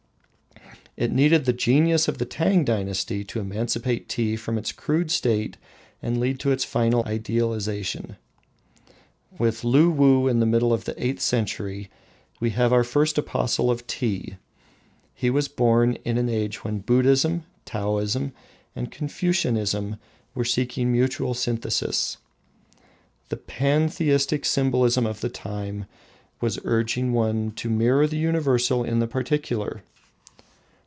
It needed the genius of the Tang dynasty to emancipate Tea from its crude state and lead to its final idealization. With Luwuh in the middle of the eighth century we have our first apostle of tea. He was born in an age when Buddhism, Taoism, and Confucianism were seeking mutual synthesis. The pantheistic symbolism of the time was urging one to mirror the Universal in the Particular.